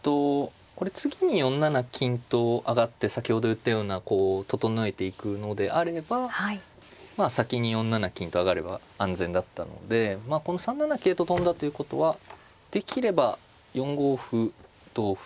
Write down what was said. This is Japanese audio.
これ次に４七金と上がって先ほど言ったようなこう整えていくのであれば先に４七金と上がれば安全だったので３七桂と跳んだということはできれば４五歩同歩